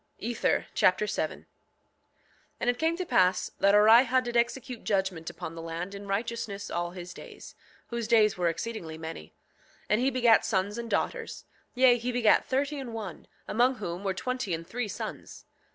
Ether Chapter 7 7:1 And it came to pass that Orihah did execute judgment upon the land in righteousness all his days, whose days were exceedingly many. 7:2 And he begat sons and daughters; yea, he begat thirty and one, among whom were twenty and three sons.